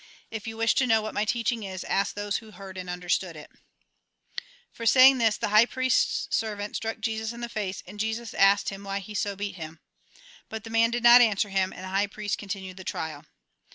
If you wish to know what my teaching is, ask those who heard and understood it." For saying this, the high priest's servant struck Jesus in the face, and Jesus asked him why he so beat him. But the man did not answer him, and the high priest con tinued the trial.